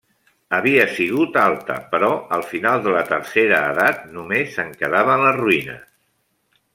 Havia sigut alta, però al final de la Tercera Edat només en quedaven les ruïnes.